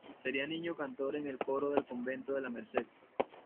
Sería niño cantor en el coro del convento de la Merced.